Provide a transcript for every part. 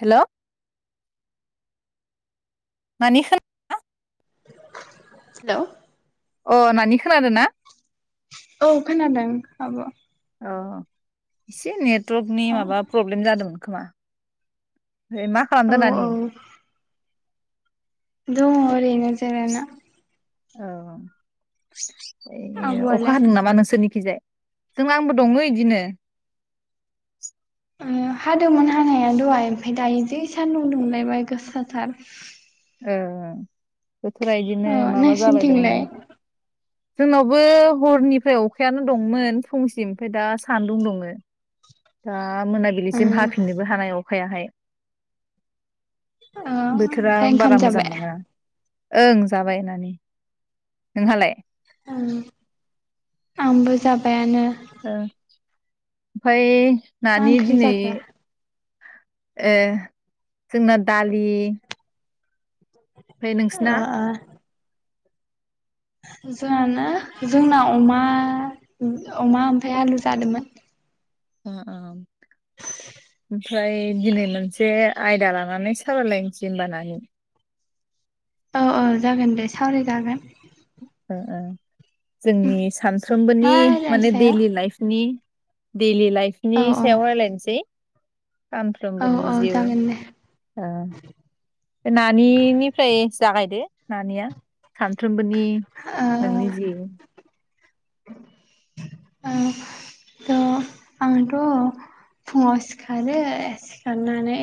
Hello नानि खोनादोंना? Hello अ नानि खोनादो ना? औ खोनादों आब। अ इसे नेट नेटवर्कनि माबा प्रब्लेम जादोंमोन। खोमा मा औ खालामदों औ नानि? दङ ओरैनो जेरायना औ ए अखा आब'आलाय हादों नामा नोंसोरनि खैजाय जों आंबो दङो इदिनो। ओ हादोंमोन हानाया दहाय ओमफाय दायो जि सान्दुं दुंलायबाय गोसाथार। ओ बोथोरा इदिनो अ माबा जाबाय दङो नोंसिनिथिंलाय जोंनावबो हरनिफ्राय अखायानो दंमोन फुंसिम ओमफाय दा सान्दुं दङो, दा दा ओ मोनाबिलिसिम हाफिननोबो हानाय अखायाहाय बोथोरा ओमफ्राय बा ओंखाम रा मोजां जाबाय नोङा। ओं जाबाय नानि, नोंहालाय? उम आंबो जाबायानो। ओ ओमफाय मा नानै ओंख्रि दिनै जाखो ए जोंना दालि ओमफ्राय नोंसिना ओ ओ जोंहाना जोंना अमा अमा ओमफाय आलु जादोंमोन। ओ ओम ओमफ्राय दिनै मोनसे आयदा लानानै सावरायलायनोसै होनबा नानि। औ औ जागोन दे सावरायजागोन। ओ ओ जोंनि मा सानफ्रोमबोनि आयदानि माने सायाव दैलि लाइफनि देलि लाइफनि औ सायाव औ रायलायनसै औ सानफ्रोमबोनि औ जिउ जागोन दे ओ नानिनिफ्राय जागाय दे नानिया सानफ्रोबोनि नि ओ नोंनि जि ओ आंथ' फुङाव सिखारो सिखारनानै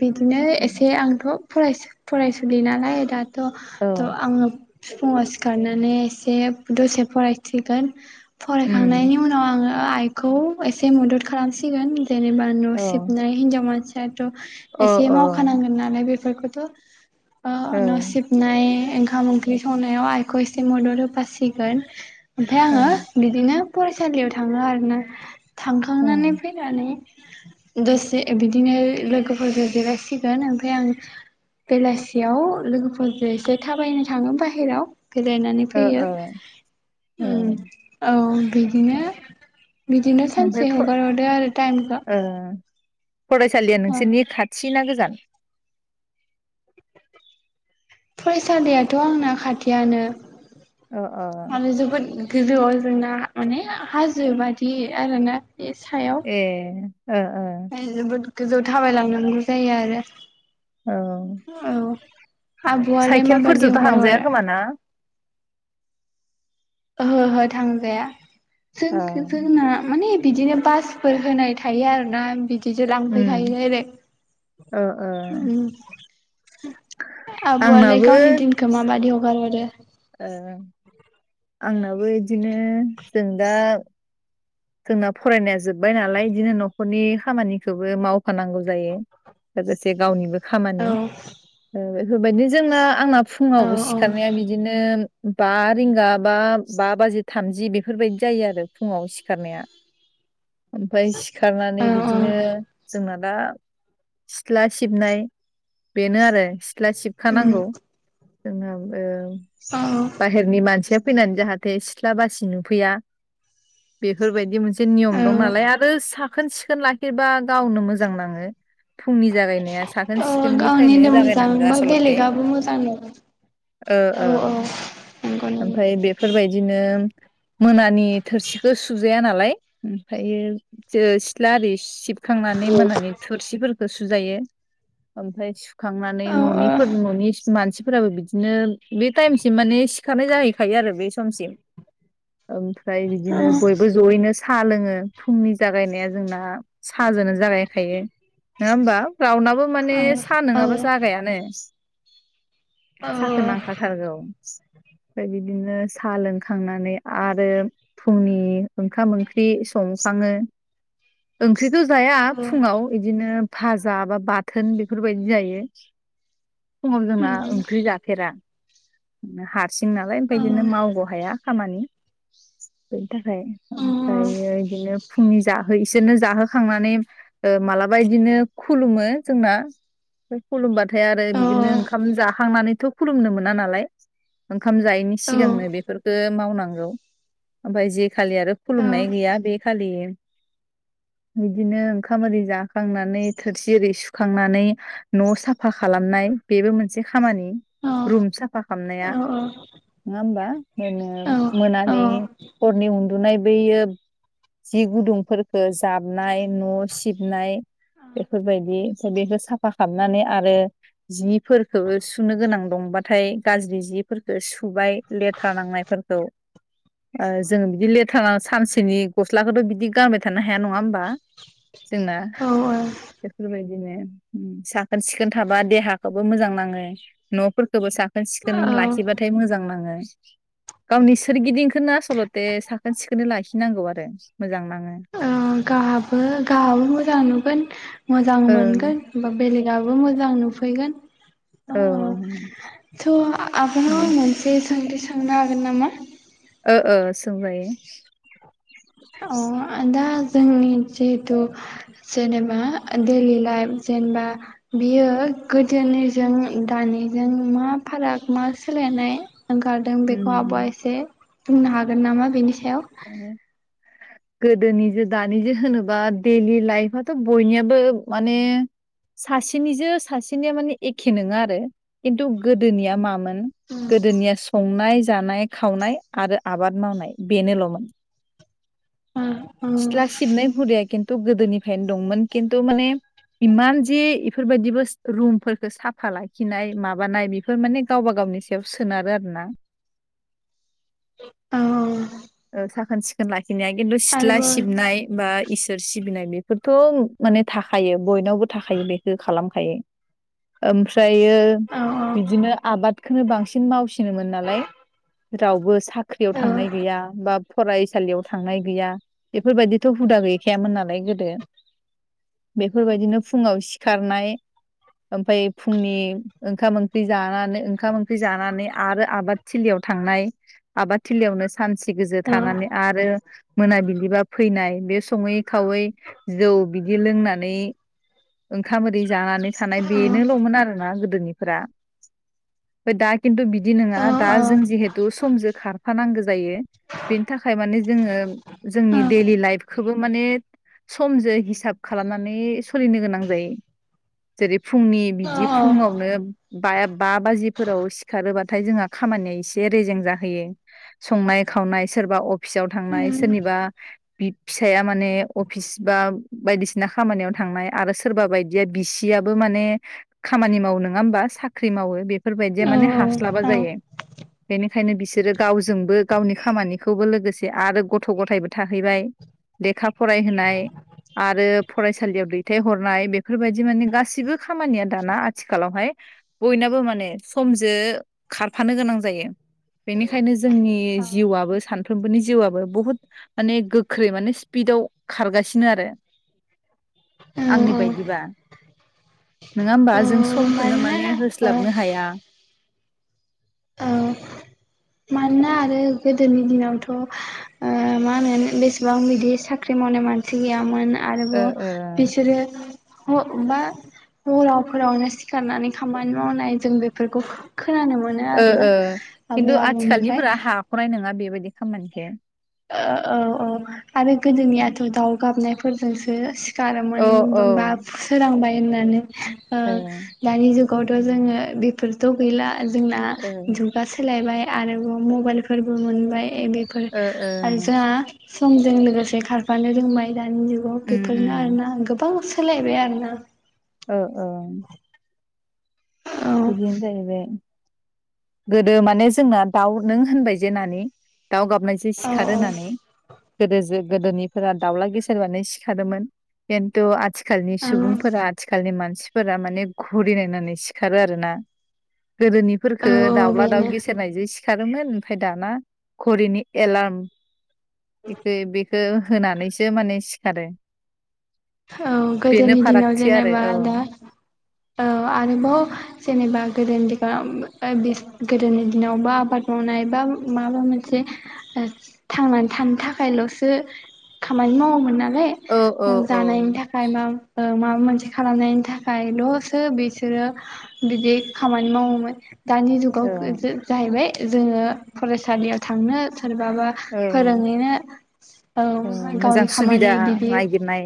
बिदिनो एसे आंथ' फरायसा फरायसुलि नालाय दा थ' औ थ' आङो फुुंयाव सिखारनानै एसे दसे फरायसिगोन उम फरायखांनायनि उनाव आङो आइ खौ एसे मदद खालामसिगोन। जेनेबा न' औ सिबनाय हिनजाव मानसि एसे औ मावखानांगोन नालाय बे फोरखौथ' बा औ न' सिबनाय ओंखाम ओंख्रि संनायाव आइखौ एसे मदद होफासिगोन। ओमफाय औ आङो बिदिनो फरायसालियाव थाङो आरोना ओ थांखांनानै फैनानै दसे बिदिनो लोगोफोरजों जिरायसिगोन ओमफाय आं बेलासियाव लोगोफोरजों एसे थाबायनो थाङो बाहेराव बेरायनानै फैयो ओ औ उम औ। बिदिनो बिदिनो ओमफ्राय सानसे फ- हगार हरदो आरो टाइमखौ ओ फरायसालिया नोंसोरनि खाथि ना गोजान फरायसालियाथ' आंना खाथियानो। अ आरो जोबोद गोजौआव जोंना माने हाजो बादि आरो ना। ए ओ ओ ओमफ्राय जोबोद गोजौ थाबायलांनांगौ जायो आरो। औ औ आब'आलाय माबायदि साइखेलफोरजोंथ' हगार हांजाया हरो खोमा ना? ओहो ओहो थांजाया। औ जों जोंना माने बिदिनो बासफोर होनाय थायो आरोना बिदि बिजों लांफैखायो दाइरेक अ अ आब'आलाय गावनि दिनखौ माबादि हगारहरो? ओ आंनाबो इदिनो जों दा जोंना फरायनाया जोब बाय नालाय बिदिनो न' नखरनि खामानिखौबो मावफानांगौ जायो लोगोसे गावनिबो खामानि ओ बेफोरबायदिनो जोंना आंना औ फुङावबो सिखारनाया बिदिनो बा रिंगा बा बा बाजि थामजि बेफोरबायदि जायो आरो फुङाव सि सिखारनाया ओमफाय औ सिखारनानै औ बिदिनो जोंना दा सिथ्ला सिबनाय बेनो आरो सिथ्ला उम सिबखानांगौ जोंनाबो औ बाहेरनि मानसिया फैनानै जाहाथे सिथ्ला बासि नुफैया बेफोरबायदि मोनसे नियम औ दं नालाय आरो सा साखोन सिखोन लाखिबा गावनो मोजां नाङो फुंनि जागायनाया साखोन सिखोननिफ्रायनो गावनिनो मोजां जागायनांगौ बा आसलथे बेलेगाबो मोजां नङा ओ औ ओ नंगौ नंगौ ओमफ्राय बेफोरबायदिनो मोनानि थोरसिखौ सुजु [unintelligible] नालाय ओमफायो जेरै सिथ्ला आरि सिब-' सिबखांनानै मोनानि थुरसिफोरखौ गुसु जायो ओमफ्राय खांनानै औ ओ औ न'निफोर न'नि मानसि फोराबो बिदिनो बे टाइमसिम माने सिखारनाय जाहैखायो आरो बे समसिम ओमफ्राय बिदिनो बयबो ज'यैनो साहा लोङो फुंनि जागायनाया जोंना साह जोनो जागायखायो। नोङा होमबा? रावनाबो माने सा औ नङाबा जागायानो। साखो नांखाथारगौ। फाय बिदिनो साह लोंखांनानै आरो फुंनि ओंखाम ओंख्रि संसाङो। ओंख्रिथ' जाया फुङाव इदिनो भाजा बा बाथोन बेफोरबायदि जायो। फुङाव जोंना उम ओंख्रि जाफेरा। हाथ हारसिं नालाय औ ओमफाय इदिनो मावग हाया खामानि। उम थाखाय औ ओमफ्रायो इदिनो फुंनि जा हो इसोरनो जाहोखांनानै मालाबा इदिनो खुलुमो जोंना खुलुमबाथ' फाय आरो औ औ बिदिनो ओंखाम जाखांनानैथ' खुलुमनो मोना नालाय। ओंखाम जायैनि सिगांनो बेफोरखो मावनां औ ओमफाय जे खालि आरो खुलुमनाय गैया बे खालि बिदिनो ओंखाम ओरि जाखांनानै थोरसि ओरि सुखांनानै न' साफा खालामनाय बेबो मोनसे खामानि रुम साफा खामनाया औ नङा होमबा? नो मोनानि हरनि उन्द दु नाय बैयो जि गुदुंफोरफोरखो जाबनाय न' सिबनाय बेफोरबायदि ओमफ्राय बेखौ साफा खालामनानै आरो जिफोरखौ सुनो गोनां दंबाथाय गाज्रि जि फोरखो सुबाय लेथ्रा नांनायफोरखौ ओ जोङो बिदि लेथ्रानानै सानसेनि गस्लाखौथ' बिदि गानबाय थानो नो हाया नङा होनबा? जोंना औ औ बेफोरबायदि बिदिनो उम साखोन सिखोन थाबा देहाखौबो मोजां नाङो न'फोरखौबो साखोन खोन सिखोन औ ला जि बाथाय मोजां नाङो। गावनि सोरगिदिंखोनो आसलथे साखोन सिखोनै लाखिनांगौ आरो। मोजां नाङो ओ गाहाबो गाहाबो मोजां नुगोन। मोजां ओं मोनगोन बा बेलेग दाबो मोजां नुफैगोन। अ औ अ थ' आबनाव ओं मोनसे सोंथि सोंनि थांनो हागोन नामा? ओ ओ सोंजायो। ओ दा जोंनि जिहेथु जेनेबा दैलि लाइफ जेनेबा बियो गोदोनिजों दानिजों मा फाराग मा सोलायनाय ओंखारदों बेखौ आब'आ उम एसे बुंनो हागोन नामा बेनि सायाव उम गोदोनिजों दानिजों होनोबा दैलि लाइफआथ' बयनियाबो माने सासेनिजो सासेनिया माने एखे नङा आरो खिन्थु गोदोनिया मामोन। गोदोनिया सम संनाय जानाय खावनाय आरो आबाद मावनाय बेनोल'। [inaudible] उम सिथ्ला सिबनाय हुरियै खिन्थु गोदोनिफ्रायनो दंमोन खिन्थु माने इमान जे इफोरबायाददिबो रुमफोरखौ साफा लाखिनाय माबानाय बेफोर माने गावबा गावनि सायाव सोनारो आरो ना। औ ओ साखोन सिखोन लाखि इनिया किन्तु सिथ्ला आरोबाव सिबनाय बा इसोर सिबिनाय बेफोरथ' माने थाखायो बयनावबो थाखायो बेखौ खालामखायो ओमफ्राय। बियो‌ औ बिदिनो आबाद। बेखौनो बांसिन मावसिनोमोन नालाय रावबो साख्रियाव औ थांनाय गैया। बा फरायसालियाव थांनाय गैया बेफोरबायदिथ' हुदा गैखायामोन नालाय गोदो बेफोरबायदिनो फुङाव सिखारनाय ओमफाय फुंनि ओंखाम ओंख्रि जानानै ओंखाम ओंख्रि जानानै आरो आबाद थिलियाव थांनाय आबाद थिलियावनो सानसे [inaudible] गोजो औ थानानै आरो मोनाबिलिबा फैनाय बे सङै खावै जौ बिदि लोंनानै ओंखाम ओरै जानानै थानाय औ बेनोल'मोन आरोना गोदोनिफोरा ओमफ्राय दा खिन्थु बिदि नङा दा औ औ जों जिहेतु समजों खारफानांगौ जायो। बेनि थाखाय माने जोङो जोंनि दैलि लाइफखौबो माने समजों हिसाब खालामनानै सोलिनो गोनां जायो। जेरै फुंनि बिदि फुङावनो बा-बा बाजिफोराव सिखारोबाथाय जोंहा खामानिया एसे रेजें जाहोयो संनाय खावनाय सोरबा अफिसाव थांनाय सोरनिबा फिसाया माने अफिस बा बायदिसिना खामानियाव थांनाय आरो सोरबा बायदिया बिसियाबो माने खामानि मावो नङा होमबा साख्रि मावो। बे बेफोरबायदिया माने हास्लाबा जायो। बेनिखायनो बिसोरो गावजोंबो गावनि खामानिखौबो लोगोसे आरो गथ' गथायबो थाहैबाय लेखा फरायहोनाय आरो फरायसालियाव दैथायहरनाय बेफोरबायदि माने गासैबो खामानिया दाना आथिखालावहाय बयनाबो माने समजों खारफानो गोनां जायो बेनिखायनो जोंनि जिउआबो सानफ्रोमबोनि जिउआबो बुहुत माने गोख्रै माने स्पिडआव खारगासिनो आरो। आंनि बायदिबा नोङा होमबा जों समखौनो मान माने मानोना होस्लाबनो औ हाया औ [unintelligible] मानोना आरो गोदोनि दिनावथ' ओ मा होनो बेसेबां बिदि साख्रि मावनाय मानसि गैयामोन। ओ आरोबाव ओ बिसोरो बा हरावफोरावनो सिखारनानै खामानि मावनाय जों बेफोरखौ खोनानो मोनो ओ आरोना ओ आबै खिन्थु आबौ आथिखालनिफोरा हाखनाय नङा बेबायदि खामानिखौ ओ औ औ आरो गोदोनियाथ' दाव गाबनाय फोरजोंसो औ खारोमोन औ बा सोरांबाय होननानै ओ दानि जुग गावथ' जोङो बेफोरथ' गैला। जोंना ओ जुगा सोलायबाय। आरोबाव मबाइल फोरबो मोनबाय ए बेफोर ओ ओ आरो जोङा समजों लोगोसे खारफानो रोंबाइ दानि जुगाव उम बेफोरनो उम आरोना गोबां सोलायबाय आरोना। ओ औ औ बिदिनो जायोबाय गोदो माने जोंना दाउ नों होनबाय जे नानि दाउ गाबनायजों औ सिखारो होननानै। गोदो गोदोनिफोरा दाउला गेसेेर बानो सिखादोंमोन खिन्थु आथि आथिखालनि सुबुंफोरा औ आथिखालनि मानसिफोर मानफोरा माने घुरि नायनानै सिखारो आरो ना गोदोनि खो औ दाउला दाउ बेनो गेसेेरनायजों सि सारोमोन ओमफाय दाना घरिनि एलार्म बेखो बेखो होनानैसो माने सिखारो औ बेनो गोदोनि दिनाव फारागथि आरो जेनेबा दा औ आरोबाव जेनेबा गोदोनि दिगाव ओ गोदोनि दिनावबा आबाद मावनाय बा माबा मोनसे थांनानै थानो थाखायल'सो खामानि मावोमोन ना औ औ [unintelligible] ओ जानायनि औ थाखाय मा माबा मोनसे खालामनायनि थाखायल'सो बिसोरो बिदि खामानि मावोमोन दानि जुगाव औ [unintelligible] जाहैबाय जोङो फरायसालियाव थांनो सोरबाबा औ फोरोङैनो औ मोजां गावनि खामानि सुबिदा बिदि नागिरनाय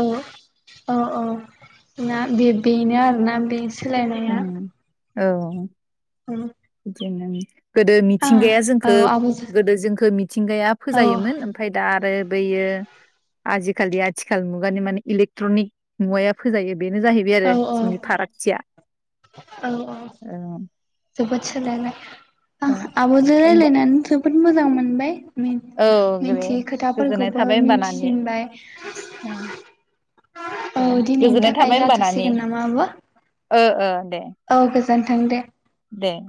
औ औ औ ना बे बेनो आरोना बे सोलायनाया उम औ उम [unintelligible] गोदो आं मिथिंगाया औ जोंखो आब'जों गोदो जोंखो मिथिंगाया औ फोजायोमोन ओमफाय दा आरो बेयो आजिखालि आथिखाल मुगानि माने इलेकट्रनिक मुगाया फोजायो। बेनो जाहैबाय औ आरो औ जोंनि फारागथिया औ औ जोबोद सोलायबाय आ औ आब'जों होमबा रायलायनानै जोबोद मोजां मोन मोनबाय औ मिथियै [unintelligible] गोजोननाय खोथाफोरखौबो थाबाय होनबा नानि मिथिसिनबाय ओ औ दे दिनैनि गोजोननाय थाखाय थाबाय होनबा नानि जाथ'सिगोन नामा आब' ओ ओ दे औ गोजोनथों दे [inaudible] [inaudible] दे।